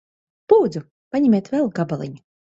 Lūdzu. Paņemiet vēl gabaliņu.